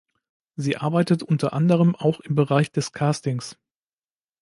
Sie arbeitet unter anderem auch im Bereich des Castings.